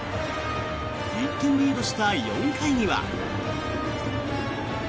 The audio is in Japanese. １点リードした４回には。